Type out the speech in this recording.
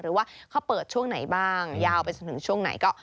หรือว่าเขาเปิดช่วงไหนบ้างยาวไปจนถึงช่วงไหนก็